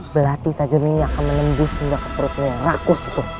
berarti tajam ini akan menembus hingga ke perutmu yang rakus itu